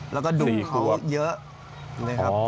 แล้วก็ดุเขาเยอะเลยครับ